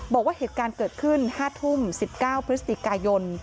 บอกว่าเหตุการณ์เกิดขึ้น๕ทุ่ม๑๙พฤศจิกายน